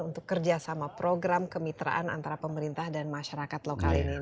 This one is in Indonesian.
untuk kerjasama program kemitraan antara pemerintah dan masyarakat lokal ini